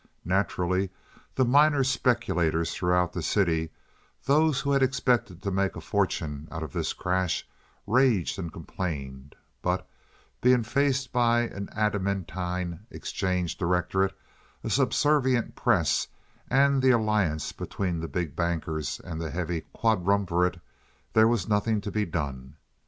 Naturally, the minor speculators throughout the city—those who had expected to make a fortune out of this crash—raged and complained, but, being faced by an adamantine exchange directorate, a subservient press, and the alliance between the big bankers and the heavy quadrumvirate, there was nothing to be done.